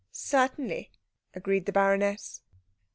"Certainly," agreed the baroness.